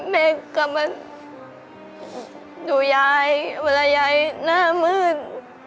แม่กลับมาดูยายเวลายายหน้ามืด